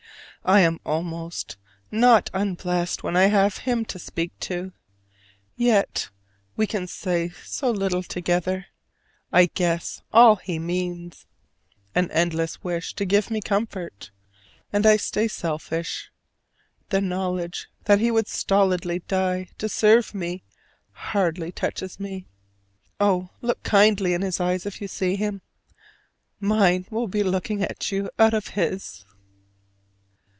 I am almost not unblessed when I have him to speak to. Yet we can say so little together. I guess all he means. An endless wish to give me comfort: and I stay selfish. The knowledge that he would stolidly die to serve me hardly touches me. Oh, look kindly in his eyes if you see him: mine will be looking at you out of his!